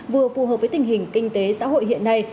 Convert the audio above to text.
vừa phù hợp với tình hình kinh tế xã hội hiện nay